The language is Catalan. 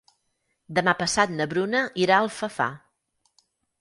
Demà passat na Bruna irà a Alfafar.